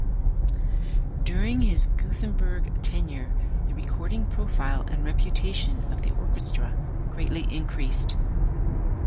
During his Gothenburg tenure, the recording profile and reputation of the orchestra greatly increased.